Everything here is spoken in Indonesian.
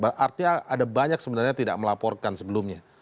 artinya ada banyak sebenarnya tidak melaporkan sebelumnya